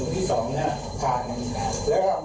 ต้องมีรุ่นน้องสามคนมัวสามเนี่ยก็มีความประสงค์